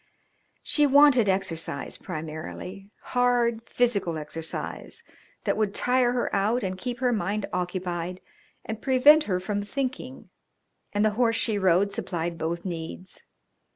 She wanted exercise primarily, hard physical exercise that would tire her out and keep her mind occupied and prevent her from thinking, and the horse she rode supplied both needs.